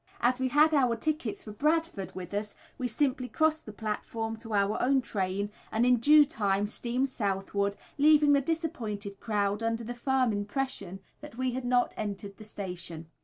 As we had our tickets for Bradford with us, we simply crossed the platform to our own train, and in due time steamed southward, leaving the disappointed crowd under the firm impression that we had not entered the station.